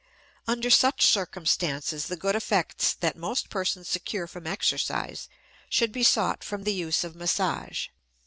Under such circumstances the good effects that most persons secure from exercise should be sought from the use of massage.